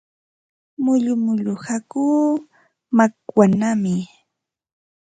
Mullu mullu hakuu makwanaami.